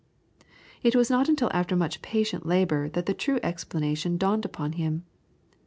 It was not until after much patient labour that the true explanation dawned upon him.